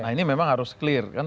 nah ini memang harus clear kan